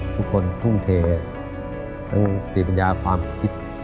ทุกคนทุ่มเททั้งสติปัญญาความคิด